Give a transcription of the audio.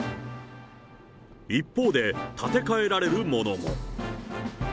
一方で、建て替えられるものも。